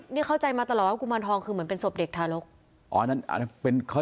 นี่เข้าใจมาตลอดว่ากุมารทองคือเหมือนเป็นศพเด็กทารก